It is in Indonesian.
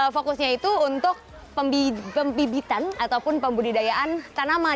fokusnya itu untuk pembibitan ataupun pembudidayaan tanaman